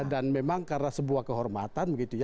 dan memang karena sebuah kehormatan